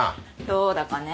どうだかね。